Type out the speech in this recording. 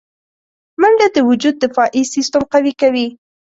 منډه د وجود دفاعي سیستم قوي کوي